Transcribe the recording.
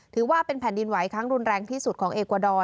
ถือว่าเป็นแผ่นดินไหวครั้งรุนแรงที่สุดของเอกวาดอร์